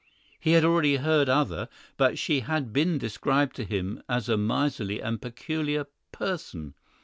He already had heard other, but she had been described to him as a miserly and peculiar person.